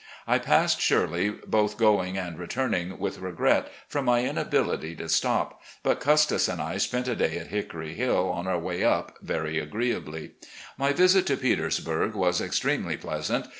I passed Shirley both going and returning with regret, from my inability to stop; but Custis and I spent a day at Hickory HiU on our way AN ADVISER OF YOUNG MEN 293 up very agreeably. My visit to Petersbtirg was ex tremely pleasant.